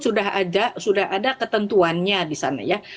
sudah ada ketentuannya disana ya